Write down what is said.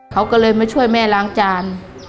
เขาก็เลยมาช่วยแม่ล้างจาน